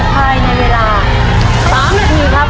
ภายในเวลา๓นาทีครับ